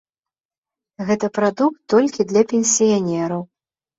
Гэта прадукт толькі для пенсіянераў.